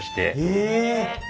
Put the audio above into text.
へえ。